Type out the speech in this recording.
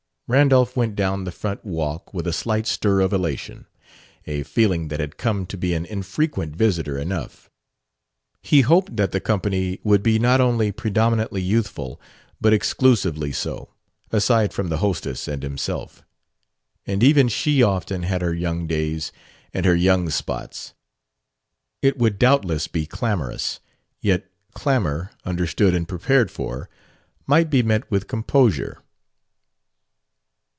Randolph went down the front walk with a slight stir of elation a feeling that had come to be an infrequent visitor enough. He hoped that the company would be not only predominantly youthful, but exclusively so aside from the hostess and himself. And even she often had her young days and her young spots. It would doubtless be clamorous; yet clamor, understood and prepared for, might be met with composure.